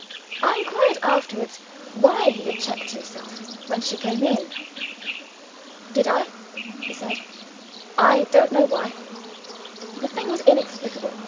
I inquired afterwards, why he had checked himself when she came in. "Did I?" he said. "I don't know why." The thing was really inexplicable.